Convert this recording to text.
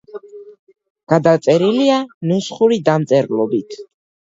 გადაწერილია ნუსხური დამწერლობით.